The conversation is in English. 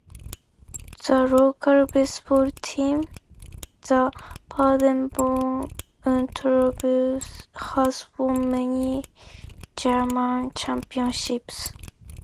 The local baseball team, the Paderborn Untouchables, has won many German championships.